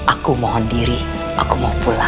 apa senyum yang dibahagiakan anda juga